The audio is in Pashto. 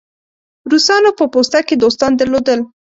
روسانو په پوسته کې دوستان درلودل.